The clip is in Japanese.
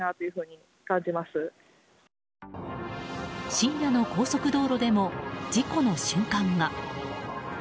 深夜の高速道路でも事故の瞬間が。